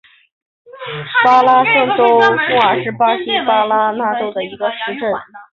巴拉那州圣马诺埃尔是巴西巴拉那州的一个市镇。